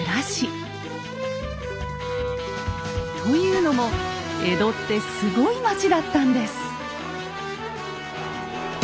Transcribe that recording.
というのも江戸ってすごい町だったんです。